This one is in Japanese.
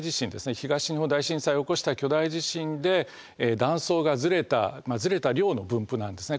東日本大震災を起こした巨大地震で断層がずれたずれた量の分布なんですね。